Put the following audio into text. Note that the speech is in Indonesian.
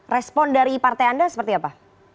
respon dari partai anda seperti apa